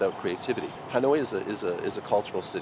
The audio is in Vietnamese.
được rồi câu hỏi này rất tốt